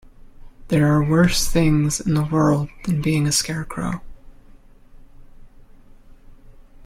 There are worse things in the world than being a Scarecrow.